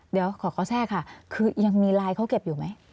เดี๋ยวขอข้อแช่ค่ะคือยังมีไลน์เค้าเก็บอยู่มั้ย